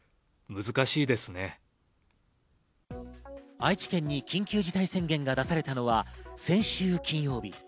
愛知県に緊急事態宣言が出されたのは先週金曜日。